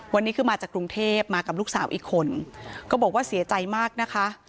วันนี้คือมาจากกรุงเทพมากับลูกสาวอีกคนก็บอกว่าเสียใจมากนะคะ